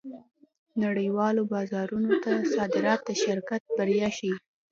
نړۍوالو بازارونو ته صادرات د شرکت بریا ښيي.